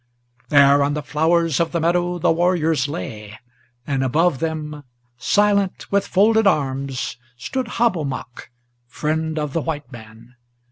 There on the flowers of the meadow the warriors lay, and above them, Silent, with folded arms, stood Hobomok, friend of the white man.